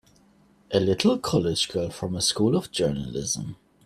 A little college girl from a School of Journalism!